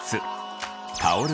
タオル